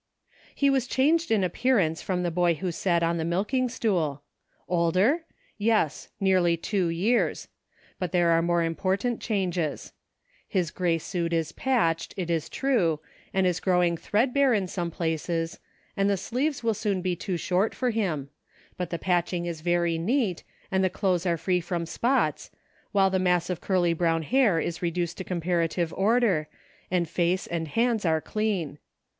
He was changed in appearance from the boy who sat on the milking stool. Older } Yes, nearly two years. But there are more important changes. His gray suit is patched, it is true, and is growing threadbare in some places, and the sleeves will soon be too short for him ; but the patching is very neat, and the clothes are free from spots, while the mass of curly brown hair is reduced to comparative order, and face and hands are clean.